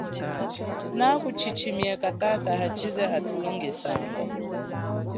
Naku chichimieka tata hachize atulongesanga.